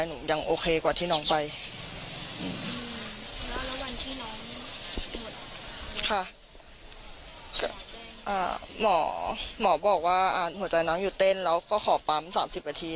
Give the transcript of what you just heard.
หมอหมอบอกว่าหัวใจน้องหยุดเต้นแล้วก็ขอปั๊ม๓๐นาที